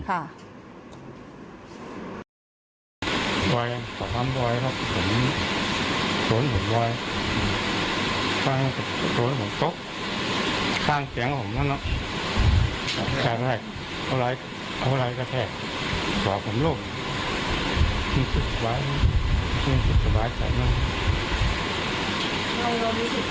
ที่สุขสบายที่สุขสบายใส่มาก